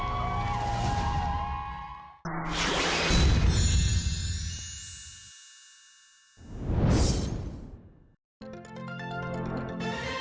แม่มาแตะมือกับเบิร์ดก่อนเหอะ